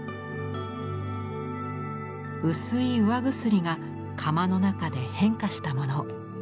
薄い釉薬が窯の中で変化したもの。